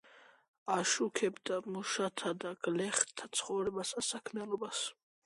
აშუქებდა მუშათა და გლეხთა ცხოვრებასა და საქმიანობას.